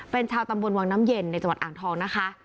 เป็นชาวตำบลวังน้ำเย็นในจังหวัดอ่างทองนะคะ